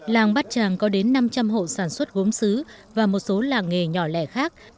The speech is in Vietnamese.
làng bát tràng có đến năm trăm linh hộ sản xuất gốm xứ và một số làng nghề nhỏ lẻ khác